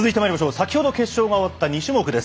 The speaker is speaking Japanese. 先ほど決勝が終わった２種目です。